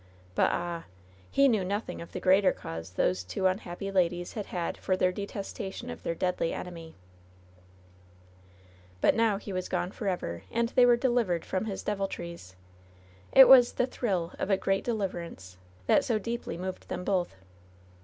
But ah ! he knew nothing of the greater cause those two unhappy ladies had had for their detestation of their deadly enemy. 42 LOVE'S BITTEREST CUP But now he was gone forever, and {key were deliv ered from his deviltries. It was "The thrill of a great deliverance" that so deeply moved them both.